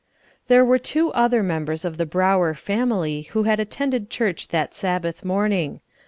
There were two other members of the Brower family who had attended church that Sabbath morning.